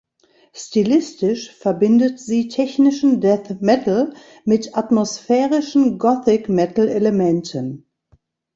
Stilistisch verbindet sie technischen Death Metal mit atmosphärischen Gothic-Metal-Elementen.